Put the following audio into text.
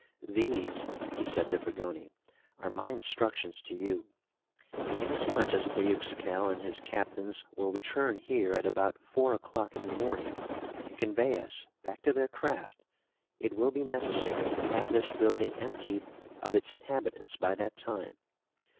These," he said to Fragoni, "are my instructions to you. Inasmuch as Teuxical and his captains will return here at about four o'clock in the morning to convey us back to their craft, it will be necessary to have this building emptied of its inhabitants by that time.